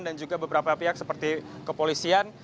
dan juga beberapa pihak seperti kepolisian